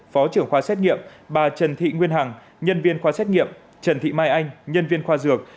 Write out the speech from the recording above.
phó trưởng khoa xét nghiệm bà trần thị nguyên hằng nhân viên khoa xét nghiệm trần thị mai anh nhân viên khoa dược